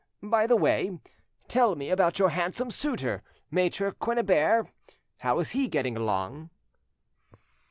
By the way, tell me about your handsome suitor, Maitre Quennebert; how is he getting along?"